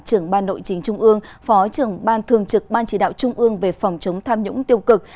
trưởng ban nội chính trung ương phó trưởng ban thường trực ban chỉ đạo trung ương về phòng chống tham nhũng tiêu cực